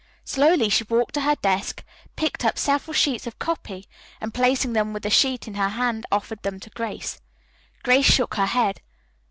Slowly she walked to her desk, picked up several sheets of copy and placing them with the sheet in her hand offered them to Grace. Grace shook her head.